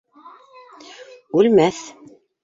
Үлмәҫ.